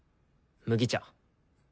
麦茶。